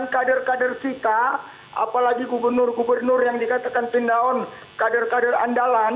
kia radar slika apalagi gubernur gubernur yang dikatakan pinaon graduated them in a position of full power